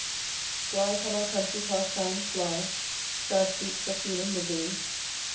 Fly from our country pastimes, fly, Sad troops of human misery.